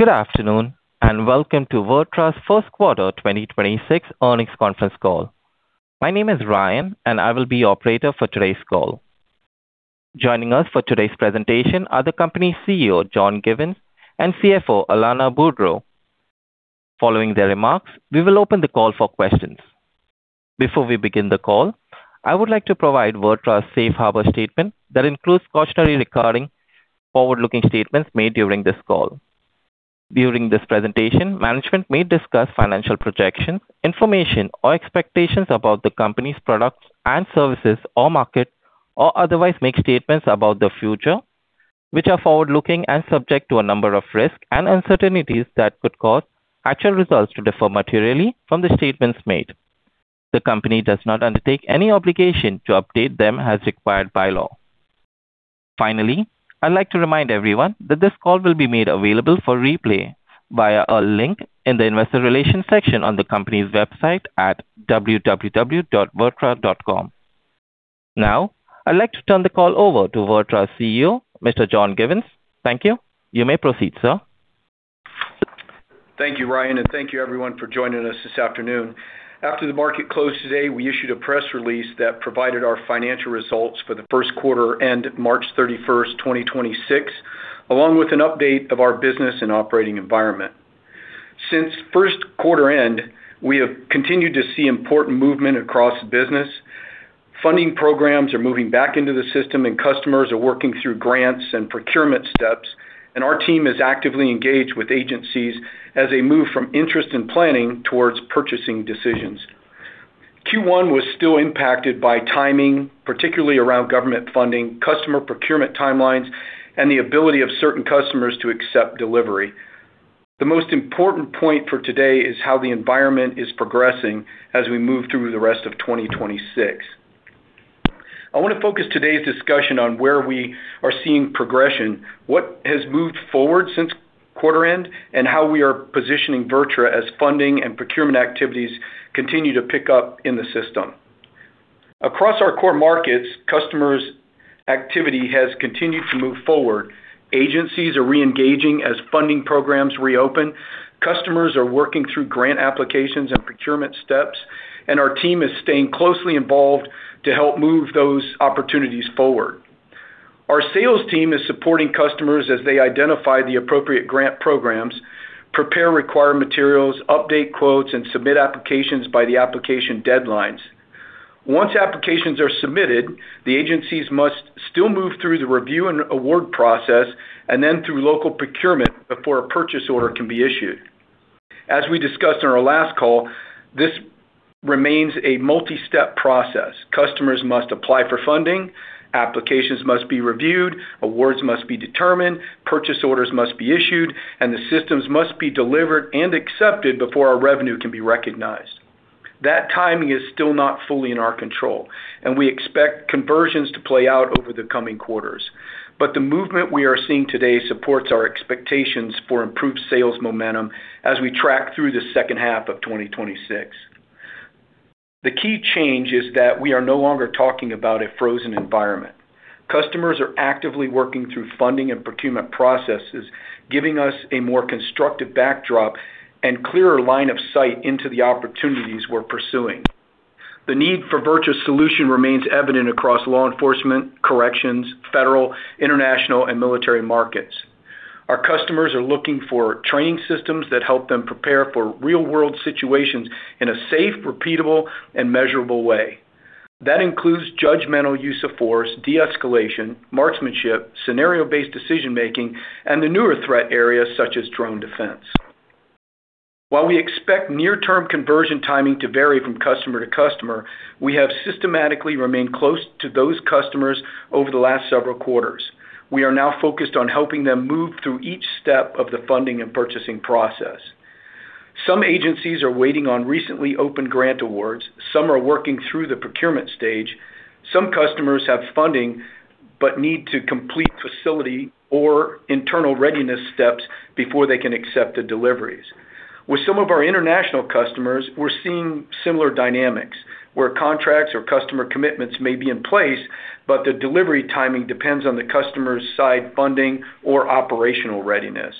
Good afternoon, welcome to VirTra's First Quarter 2026 Earnings Conference Call. My name is Ryan, and I will be your operator for today's call. Joining us for today's presentation are the company's CEO, John Givens, and CFO, Alanna Boudreau. Following their remarks, we will open the call for questions. Before we begin the call, I would like to provide VirTra's safe harbor statement that includes cautionary regarding forward-looking statements made during this call. During this presentation, management may discuss financial projections, information or expectations about the company's products and services or market or otherwise make statements about the future, which are forward-looking and subject to a number of risks and uncertainties that could cause actual results to differ materially from the statements made. The company does not undertake any obligation to update them as required by law. Finally, I'd like to remind everyone that this call will be made available for replay via a link in the investor relations section on the company's website at www.virtra.com. Now, I'd like to turn the call over to VirTra's CEO, Mr. John Givens. Thank you. You may proceed, sir. Thank you, Ryan, and thank you everyone for joining us this afternoon. After the market closed today, we issued a press release that provided our financial results for the first quarter end March 31st, 2026, along with an update of our business and operating environment. Since first quarter-end, we have continued to see important movement across the business. Funding programs are moving back into the system. Customers are working through grants and procurement steps. Our team is actively engaged with agencies as they move from interest and planning towards purchasing decisions. Q1 was still impacted by timing, particularly around government funding, customer procurement timelines, and the ability of certain customers to accept delivery. The most important point for today is how the environment is progressing as we move through the rest of 2026. I wanna focus today's discussion on where we are seeing progression, what has moved forward since quarter-end, and how we are positioning VirTra as funding and procurement activities continue to pick up in the system. Across our core markets, customers' activity has continued to move forward. Agencies are re-engaging as funding programs reopen. Customers are working through grant applications and procurement steps, and our team is staying closely involved to help move those opportunities forward. Our sales team is supporting customers as they identify the appropriate grant programs, prepare required materials, update quotes, and submit applications by the application deadlines. Once applications are submitted, the agencies must still move through the review and award process and then through local procurement before a purchase order can be issued. As we discussed on our last call, this remains a multi-step process. Customers must apply for funding, applications must be reviewed, awards must be determined, purchase orders must be issued, and the systems must be delivered and accepted before our revenue can be recognized. That timing is still not fully in our control, and we expect conversions to play out over the coming quarters. The movement we are seeing today supports our expectations for improved sales momentum as we track through the second half of 2026. The key change is that we are no longer talking about a frozen environment. Customers are actively working through funding and procurement processes, giving us a more constructive backdrop and clearer line of sight into the opportunities we're pursuing. The need for VirTra's solution remains evident across law enforcement, corrections, federal, international, and military markets. Our customers are looking for training systems that help them prepare for real-world situations in a safe, repeatable, and measurable way. That includes judgmental use-of-force, de-escalation, marksmanship, scenario-based decision-making, and the newer threat areas such as drone defense. While we expect near-term conversion timing to vary from customer to customer, we have systematically remained close to those customers over the last several quarters. We are now focused on helping them move through each step of the funding and purchasing process. Some agencies are waiting on recently opened grant awards. Some are working through the procurement stage. Some customers have funding but need to complete facility or internal readiness steps before they can accept the deliveries. With some of our international customers, we're seeing similar dynamics where contracts or customer commitments may be in place, but the delivery timing depends on the customer's side funding or operational readiness.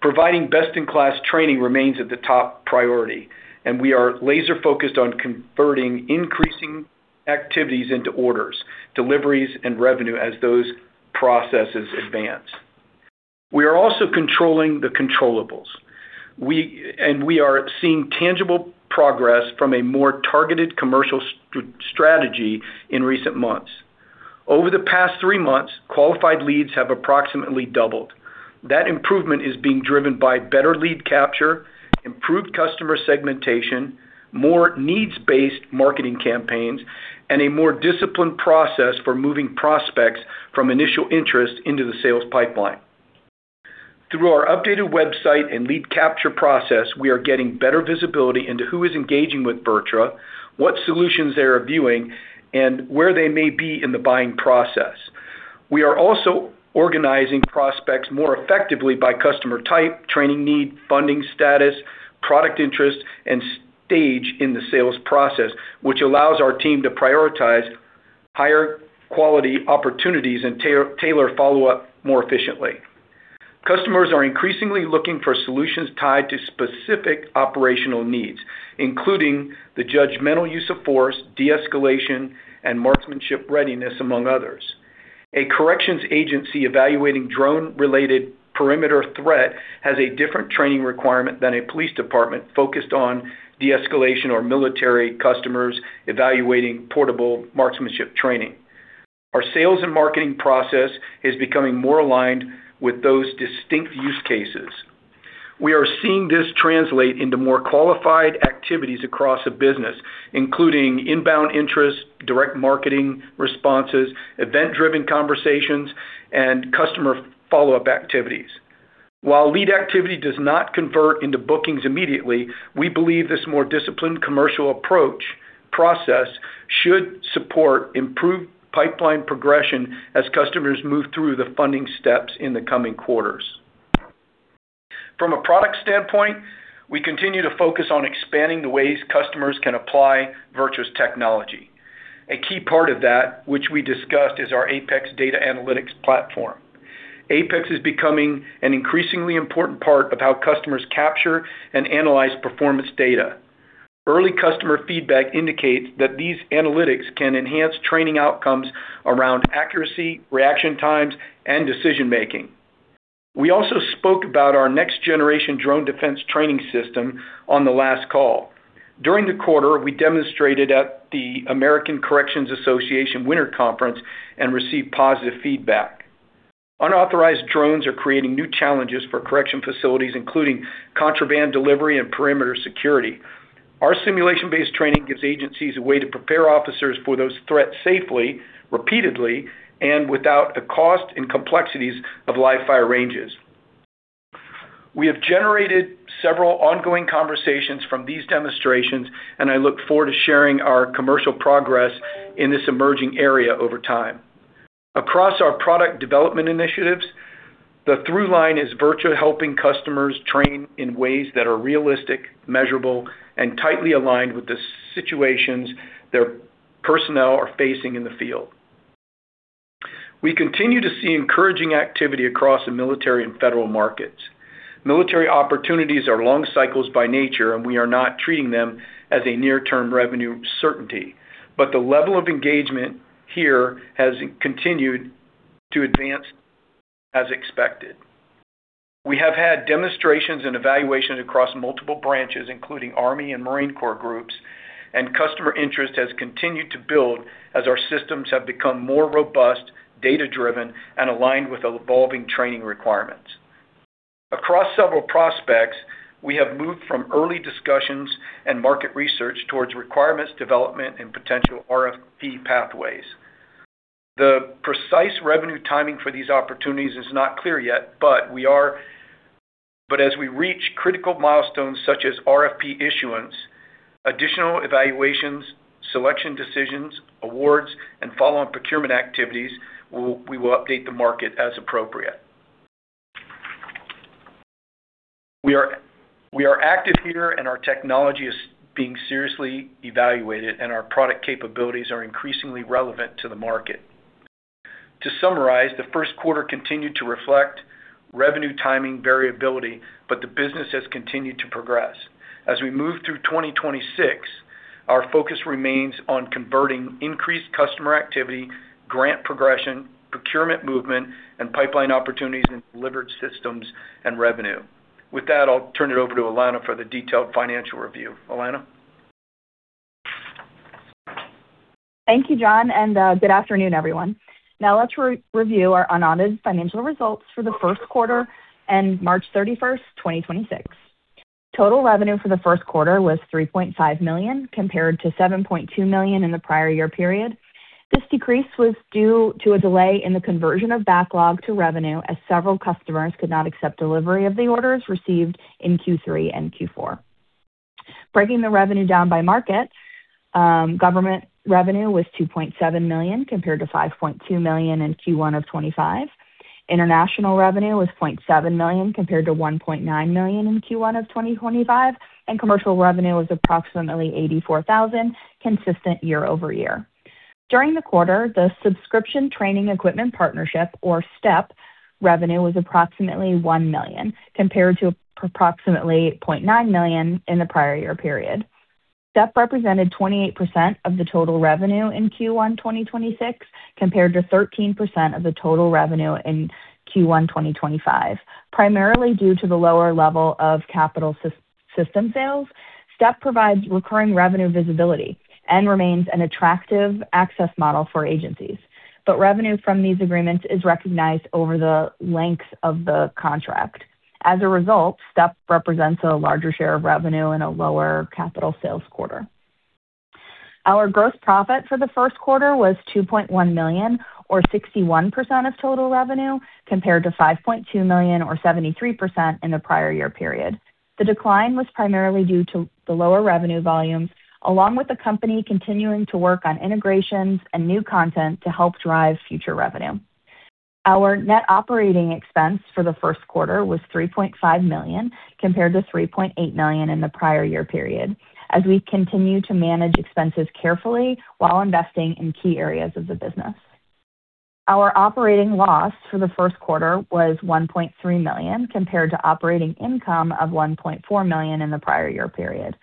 Providing best-in-class training remains at the top priority, we are laser-focused on converting increasing activities into orders, deliveries, and revenue as those processes advance. We are also controlling the controllables. We are seeing tangible progress from a more targeted commercial strategy in recent months. Over the past three months, qualified leads have approximately doubled. That improvement is being driven by better lead capture, improved customer segmentation, more needs-based marketing campaigns, and a more disciplined process for moving prospects from initial interest into the sales pipeline. Through our updated website and lead capture process, we are getting better visibility into who is engaging with VirTra, what solutions they are viewing, and where they may be in the buying process. We are also organizing prospects more effectively by customer type, training need, funding status, product interest, and stage in the sales process, which allows our team to prioritize higher quality opportunities and tailor follow-up more efficiently. Customers are increasingly looking for solutions tied to specific operational needs, including the judgmental use of force, de-escalation, and marksmanship readiness, among others. A corrections agency evaluating drone-related perimeter threat has a different training requirement than a police department focused on de-escalation or military customers evaluating portable marksmanship training. Our sales and marketing process is becoming more aligned with those distinct use cases. We are seeing this translate into more qualified activities across a business, including inbound interest, direct marketing responses, event-driven conversations, and customer follow-up activities. While lead activity does not convert into bookings immediately, we believe this more disciplined commercial approach process should support improved pipeline progression as customers move through the funding steps in the coming quarters. From a product standpoint, we continue to focus on expanding the ways customers can apply VirTra's technology. A key part of that, which we discussed, is our APEX data analytics platform. APEX is becoming an increasingly important part of how customers capture and analyze performance data. Early customer feedback indicates that these analytics can enhance training outcomes around accuracy, reaction times, and decision-making. We also spoke about our next-generation drone defense training system on the last call. During the quarter, we demonstrated at the American Correctional Association Winter Conference and received positive feedback. Unauthorized drones are creating new challenges for correction facilities, including contraband delivery and perimeter security. Our simulation-based training gives agencies a way to prepare officers for those threats safely, repeatedly, and without the cost and complexities of live-fire ranges. We have generated several ongoing conversations from these demonstrations, and I look forward to sharing our commercial progress in this emerging area over time. Across our product development initiatives, the through line is VirTra helping customers train in ways that are realistic, measurable, and tightly aligned with the situations their personnel are facing in the field. We continue to see encouraging activity across the military and federal markets. Military opportunities are long cycles by nature, and we are not treating them as a near-term revenue certainty. The level of engagement here has continued to advance as expected. We have had demonstrations and evaluations across multiple branches, including Army and Marine Corps groups. Customer interest has continued to build as our systems have become more robust, data-driven, and aligned with evolving training requirements. Across several prospects, we have moved from early discussions and market research towards requirements development and potential RFP pathways. The precise revenue timing for these opportunities is not clear yet. As we reach critical milestones such as RFP issuance, additional evaluations, selection decisions, awards, and follow-on procurement activities, we will update the market as appropriate. We are active here. Our technology is being seriously evaluated. Our product capabilities are increasingly relevant to the market. To summarize, the first quarter continued to reflect revenue timing variability. The business has continued to progress. As we move through 2026, our focus remains on converting increased customer activity, grant progression, procurement movement, and pipeline opportunities into delivered systems and revenue. With that, I'll turn it over to Alanna for the detailed financial review. Alanna? Thank you, John, good afternoon, everyone. Now let's re-review our unaudited financial results for the first quarter and March 31st, 2026. Total revenue for the first quarter was $3.5 million, compared to $7.2 million in the prior year period. This decrease was due to a delay in the conversion of backlog to revenue as several customers could not accept delivery of the orders received in Q3 and Q4. Breaking the revenue down by market, government revenue was $2.7 million, compared to $5.2 million in Q1 of 2025. International revenue was $0.7 million, compared to $1.9 million in Q1 of 2025. Commercial revenue was approximately $84,000, consistent year-over-year. During the quarter, the Subscription Training Equipment Partnership, or STEP, revenue was approximately $1 million, compared to approximately $0.9 million in the prior year period. STEP represented 28% of the total revenue in Q1 2026, compared to 13% of the total revenue in Q1 2025, primarily due to the lower level of capital system sales. STEP provides recurring revenue visibility and remains an attractive access model for agencies. Revenue from these agreements is recognized over the length of the contract. As a result, STEP represents a larger share of revenue in a lower capital sales quarter. Our gross profit for the first quarter was $2.1 million or 61% of total revenue, compared to $5.2 million or 73% in the prior year period. The decline was primarily due to the lower revenue volumes, along with the company continuing to work on integrations and new content to help drive future revenue. Our net operating expense for the first quarter was $3.5 million, compared to $3.8 million in the prior year period, as we continue to manage expenses carefully while investing in key areas of the business. Our operating loss for the first quarter was $1.3 million, compared to operating income of $1.4 million in the prior year period.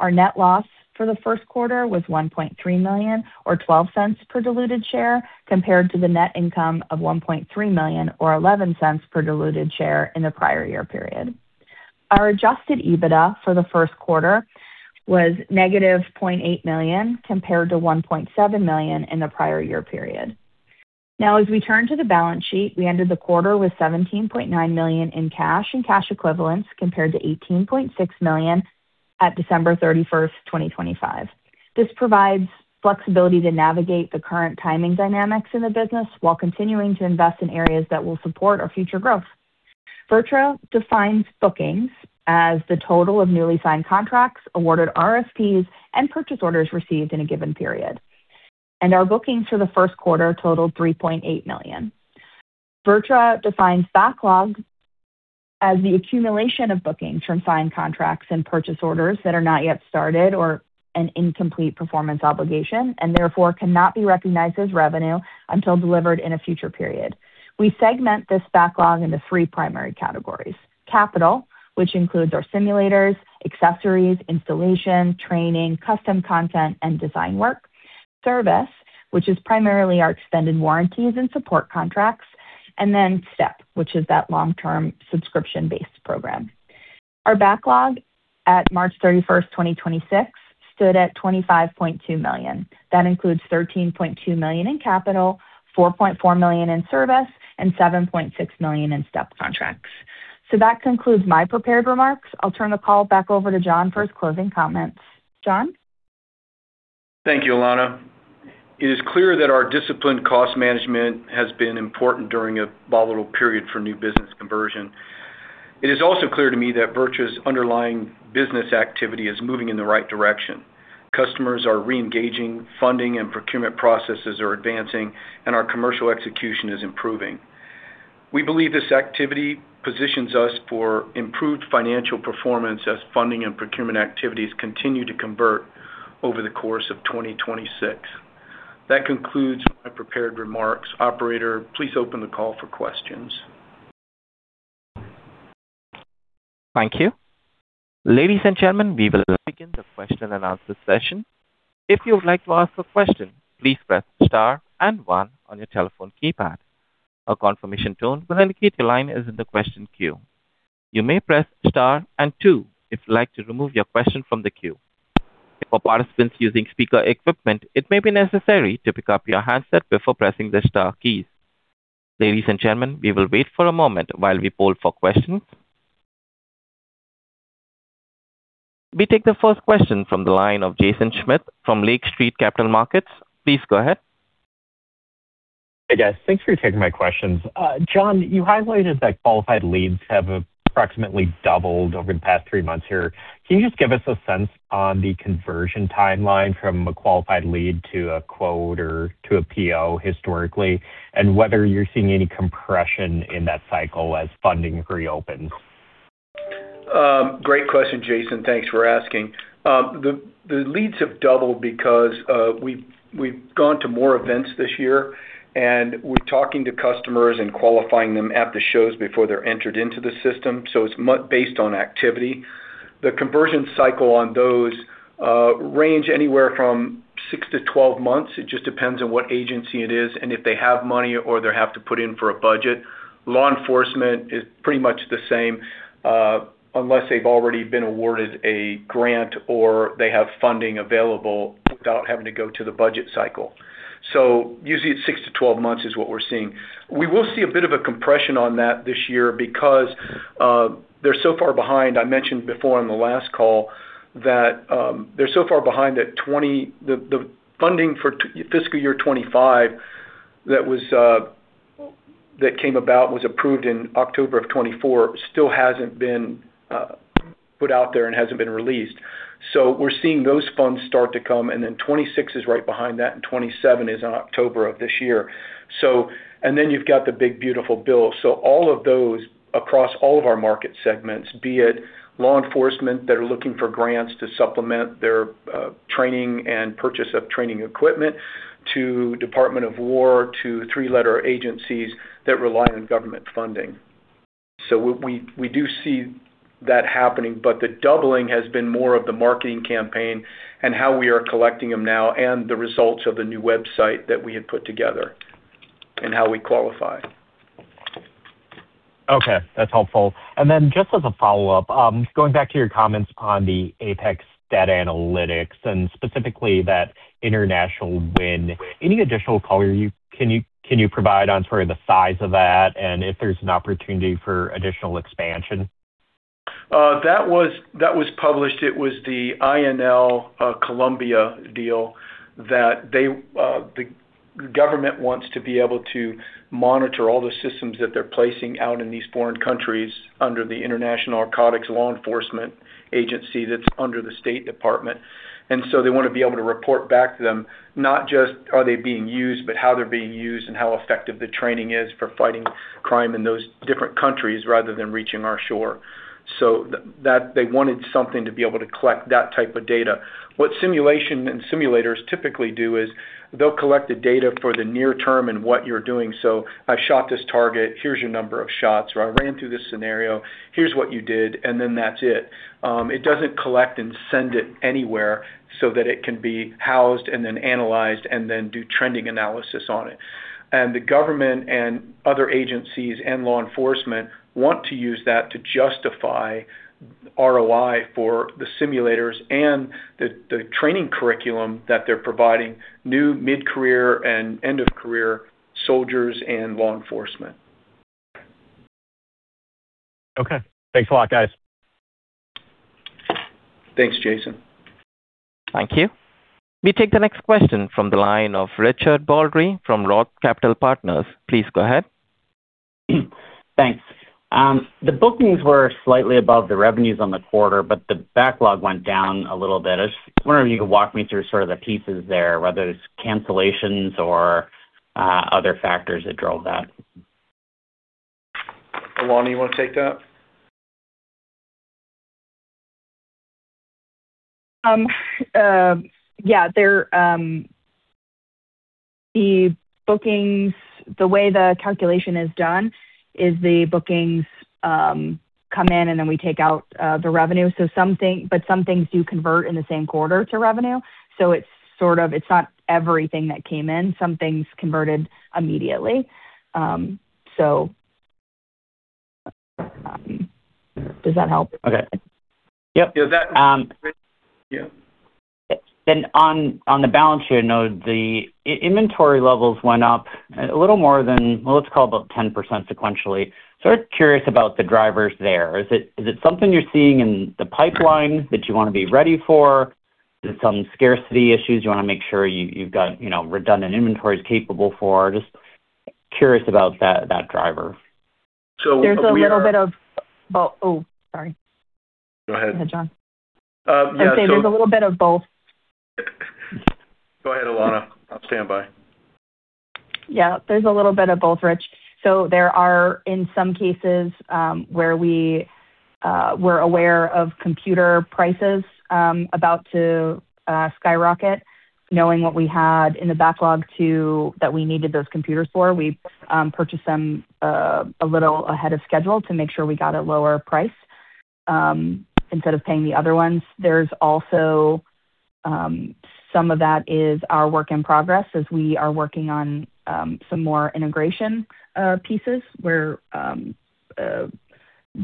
Our net loss for the first quarter was $1.3 million, or $0.12 per diluted share, compared to the net income of $1.3 million or $0.11 per diluted share in the prior year period. Our adjusted EBITDA for the first quarter was -$0.8 million compared to $1.7 million in the prior year period. As we turn to the balance sheet, we ended the quarter with $17.9 million in cash and cash equivalents compared to $18.6 million at December 31st, 2025. This provides flexibility to navigate the current timing dynamics in the business while continuing to invest in areas that will support our future growth. VirTra defines bookings as the total of newly signed contracts, awarded RFPs, and purchase orders received in a given period. Our bookings for the first quarter totaled $3.8 million. VirTra defines backlog as the accumulation of bookings from signed contracts and purchase orders that are not yet started or an incomplete performance obligation and therefore cannot be recognized as revenue until delivered in a future period. We segment this backlog into three primary categories. Capital, which includes our simulators, accessories, installation, training, custom content, and design work. Service, which is primarily our extended warranties and support contracts. STEP, which is that long-term subscription-based program. Our backlog at March 31st, 2026 stood at $25.2 million. That includes $13.2 million in capital, $4.4 million in service, and $7.6 million in STEP contracts. That concludes my prepared remarks. I'll turn the call back over to John for his closing comments. John? Thank you, Alanna. It is clear that our disciplined cost management has been important during a volatile period for new business conversion. It is also clear to me that VirTra's underlying business activity is moving in the right direction. Customers are re-engaging, funding and procurement processes are advancing, and our commercial execution is improving. We believe this activity positions us for improved financial performance as funding and procurement activities continue to convert over the course of 2026. That concludes my prepared remarks. Operator, please open the call for questions. We take the first question from the line of Jaeson Schmidt from Lake Street Capital Markets. Please go ahead. Hey, guys. Thanks for taking my questions. John, you highlighted that qualified leads have approximately doubled over the past three months here. Can you just give us a sense on the conversion timeline from a qualified lead to a quote or to a PO historically, and whether you're seeing any compression in that cycle as funding reopens? Great question, Jaeson. Thanks for asking. The leads have doubled because we've gone to more events this year, and we're talking to customers and qualifying them at the shows before they're entered into the system. It's based on activity. The conversion cycle on those range anywhere from 6-12 months. It just depends on what agency it is and if they have money or they have to put in for a budget. Law enforcement is pretty much the same, unless they've already been awarded a grant or they have funding available without having to go to the budget cycle. Usually it's six to 12 months is what we're seeing. We will see a bit of a compression on that this year because they're so far behind. I mentioned before on the last call that, they're so far behind that the funding for fiscal year 2025 that came about was approved in October of 2024, still hasn't been put out there and hasn't been released. We're seeing those funds start to come, and then 2026 is right behind that, and 2027 is in October of this year. You've got the big beautiful bill. All of those across all of our market segments, be it law enforcement that are looking for grants to supplement their training and purchase of training equipment to Department of War to three-letter agencies that rely on government funding. We do see that happening, but the doubling has been more of the marketing campaign and how we are collecting them now and the results of the new website that we had put together and how we qualify. Okay, that's helpful. Just as a follow-up, going back to your comments on the APEX data analytics and specifically that international win, any additional color can you provide on sort of the size of that and if there's an opportunity for additional expansion? That was published. It was the INL Colombia deal that the government wants to be able to monitor all the systems that they're placing out in these foreign countries under the International Narcotics Law Enforcement Agency that's under the State Department. So they wanna be able to report back to them, not just are they being used, but how they're being used and how effective the training is for fighting crime in those different countries rather than reaching our shore. They wanted something to be able to collect that type of data. What simulation and simulators typically do is they'll collect the data for the near-term and what you're doing. So I've shot this target, here's your number of shots, or I ran through this scenario, here's what you did, and then that's it. It doesn't collect and send it anywhere so that it can be housed and then analyzed, and then do trending analysis on it. The government and other agencies and law enforcement want to use that to justify ROI for the simulators and the training curriculum that they're providing new mid-career and end of career soldiers and law enforcement. Okay. Thanks a lot, guys. Thanks, Jaeson. Thank you. We take the next question from the line of Richard Baldry from Roth Capital Partners. Please go ahead. Thanks. The bookings were slightly above the revenues on the quarter, but the backlog went down a little bit. I was just wondering if you could walk me through sort of the pieces there, whether it's cancellations or other factors that drove that. Alanna, you wanna take that? Yeah. There, the bookings, the way the calculation is done is the bookings come in, and then we take out the revenue. Some things do convert in the same quarter to revenue, so it's sort of it's not everything that came in. Some things converted immediately. Does that help? Okay. Yep. Does that, Rich? Yeah. On the balance sheet note, the inventory levels went up a little more than, well, let's call it about 10% sequentially. Sort of curious about the drivers there. Is it something you're seeing in the pipeline that you wanna be ready for? Is it some scarcity issues you wanna make sure you've got, you know, redundant inventories capable for? Just curious about that driver. So we are- Oh, sorry. Go ahead. Go ahead, John. Yeah. I'd say there's a little bit of both. Go ahead, Alanna. I'll stand by. Yeah, there's a little bit of both, Rich. There are, in some cases, where we were aware of computer prices about to skyrocket. Knowing what we had in the backlog that we needed those computers for, we purchased them a little ahead of schedule to make sure we got a lower price instead of paying the other ones. There's also some of that is our work in progress as we are working on some more integration pieces where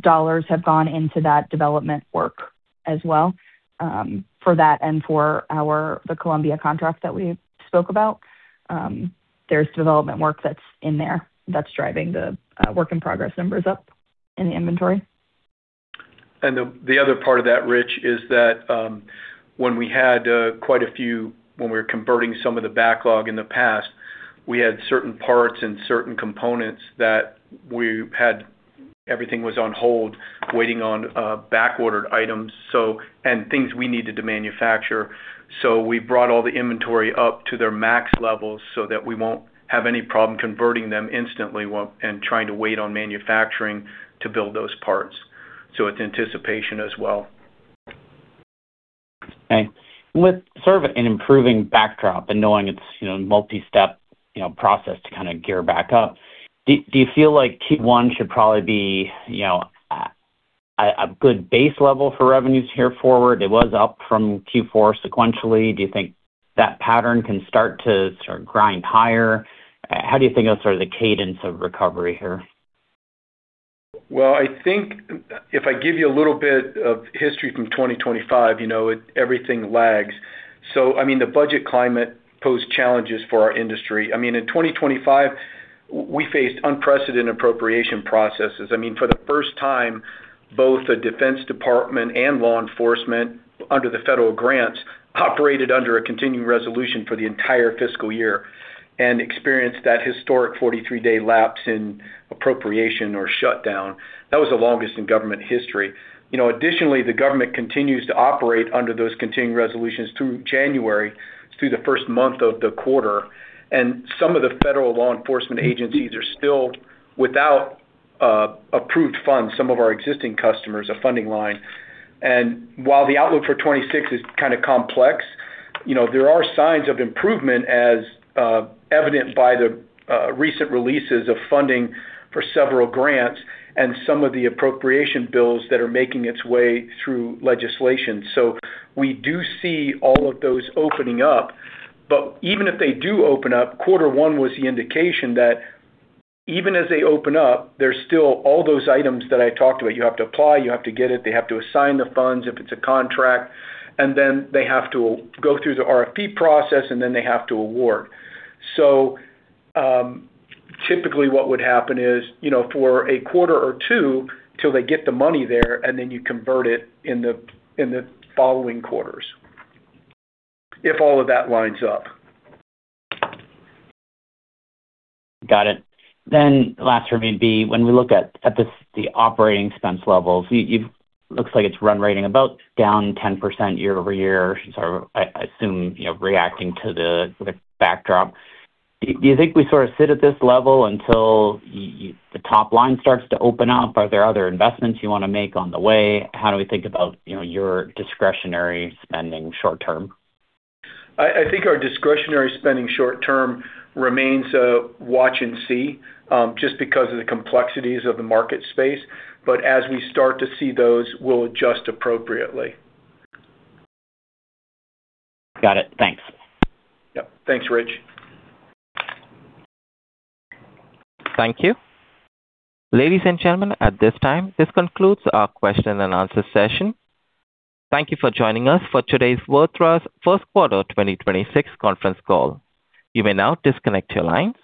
dollars have gone into that development work as well for that and for the Colombia contract that we spoke about. There's development work that's in there that's driving the work in progress numbers up in the inventory. The other part of that, Rich, is that, when we had, quite a few when we were converting some of the backlog in the past, we had certain parts and certain components that we had everything was on hold, waiting on, back-ordered items, so, and things we needed to manufacture. We brought all the inventory up to their max levels so that we won't have any problem converting them instantly and trying to wait on manufacturing to build those parts. It's anticipation as well. Okay. With sort of an improving backdrop and knowing it's, you know, multi-step, you know, process to kind of gear back up, do you feel like Q1 should probably be, you know, a good base level for revenues here forward? It was up from Q4 sequentially. Do you think that pattern can start to sort of grind higher? How do you think of sort of the cadence of recovery here? I think if I give you a little bit of history from 2025, you know, everything lags. I mean, the budget climate posed challenges for our industry. I mean, in 2025, we faced unprecedented appropriation processes. I mean, for the first time, both the Defense Department and law enforcement under the federal grants operated under a continuing resolution for the entire fiscal year and experienced that historic 43-day lapse in appropriation or shutdown. That was the longest in government history. You know, additionally, the government continues to operate under those continuing resolutions through January, through the first month of the quarter, and some of the federal law enforcement agencies are still without approved funds, some of our existing customers, a funding line. While the outlook for 2026 is kinda complex, you know, there are signs of improvement as evident by the recent releases of funding for several grants and some of the appropriation bills that are making its way through legislation. We do see all of those opening up, but even if they do open up, quarter one was the indication that even as they open up, there's still all those items that I talked about. You have to apply, you have to get it, they have to assign the funds if it's a contract, and then they have to go through the RFP process, and then they have to award. Typically what would happen is, you know, for a quarter or two till they get the money there, and then you convert it in the, in the following quarters, if all of that lines up. Got it. Last for me would be, when we look at this, the operating expense levels, looks like it's run rating about down 10% year-over-year. Sort of, I assume, you know, reacting to the backdrop. Do you think we sort of sit at this level until the top line starts to open up? Are there other investments you wanna make on the way? How do we think about, you know, your discretionary spending short term? I think our discretionary spending short term remains a watch and see, just because of the complexities of the market space. As we start to see those, we'll adjust appropriately. Got it. Thanks. Yep. Thanks, Rich. Thank you. Ladies and gentlemen, at this time, this concludes our question and answer session. Thank you for joining us for today's VirTra's First Quarter 2026 Conference Call. You may now disconnect your lines.